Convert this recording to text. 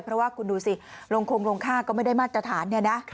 เพราะว่าคุณดูสิโรงโครงโรงค่าก็ไม่ได้มาตรฐาน